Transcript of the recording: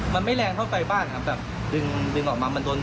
มันไม่แรงเท่าไฟบ้านครับแบบดึงดึงออกมามันโดน